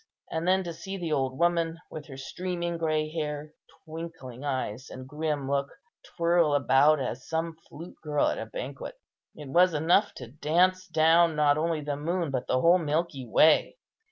And then to see the old woman, with her streaming grey hair, twinkling eyes, and grim look, twirl about as some flute girl at a banquet; it was enough to dance down, not only the moon, but the whole milky way.